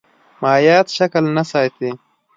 مایعات شکل نه ساتي.